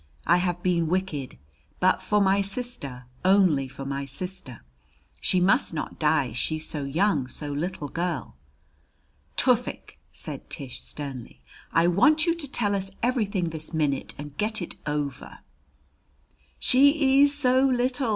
I have been wikkid but for my sister only for my sister! She must not die she so young, so little girl!" "Tufik," said Tish sternly, "I want you to tell us everything this minute, and get it over." "She ees so little!"